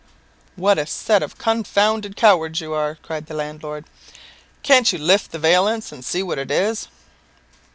"What a set of confounded cowards you are!" cried the landlord; "can't you lift the valance and see what it is?"